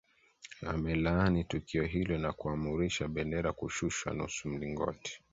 amelaani tukio hilo na kuamurisha bendera kushushwa nusu mlingoti